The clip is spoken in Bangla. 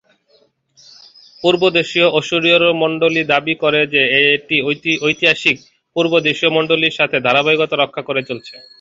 পূর্বদেশীয় অশূরীয় মণ্ডলী দাবি করে যে এটি ঐতিহাসিক পূর্বদেশীয় মণ্ডলীর সাথে ধারাবাহিকতা রক্ষা করে চলেছে।